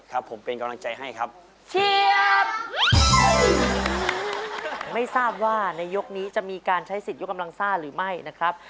ครับผมเป็นกำลังใจให้ครับเชียบไม่ทราบว่าในยกนี้จะมีการใช้สิทธิยกกำลังซ่าหรือไม่นะครับ